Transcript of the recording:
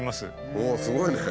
おおすごいね。